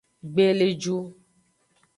Gbeleju.